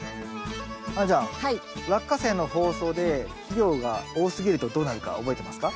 亜美ちゃんラッカセイの放送で肥料が多すぎるとどうなるか覚えてますか？